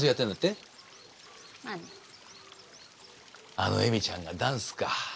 あのエミちゃんがダンスか。